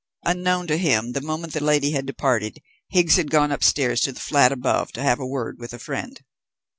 Unknown to him, the moment the lady had departed Higgs had gone upstairs to the flat above to have a word with a friend.